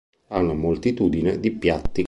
Ha una moltitudine di piatti.